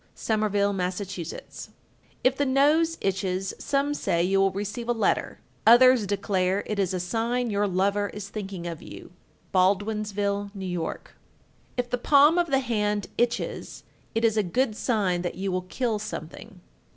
Somerville, Mass. 1361. If the nose itches, some say you will receive a letter; others declare it is a sign your lover is thinking of you. Baldwinsville, N.Y. 1362. If the palm of the hand itches, it is a good sign that you will kill something.